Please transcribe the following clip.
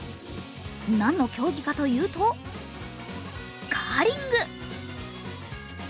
何の競技かというとカーリング。